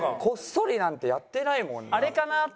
こっそりなんてやってないもんな。